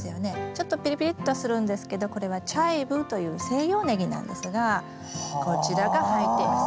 ちょっとピリピリっとするんですけどこれはチャイブという西洋ネギなんですがこちらが入っています。